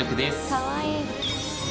かわいい。